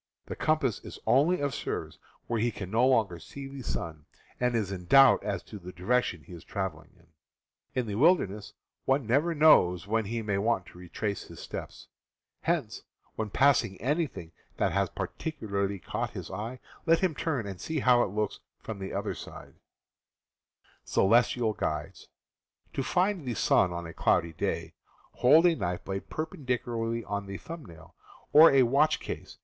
The com pass is only of service when he can no longer see the sun, and is in doubt as to the direction he is traveling in. In the wilderness one never knows when he may want to retrace his steps. Hence, when passing any PioleStsr Dipper ■■ Fig. 11. thing that has particularly caught his eye, let him turn and see how it looks from the other side. To find the sun on a cloudy day : hold a knife blade perpendicularly on the thumb nail, or on a watch case, P ...